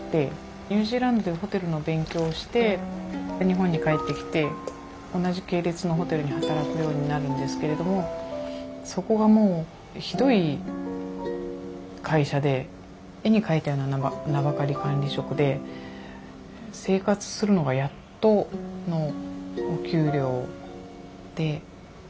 ニュージーランドでホテルの勉強をしてで日本に帰ってきて同じ系列のホテルに働くようになるんですけれどもそこがもうひどい会社で絵に描いたような名ばかり管理職で生活するのがやっとのお給料で。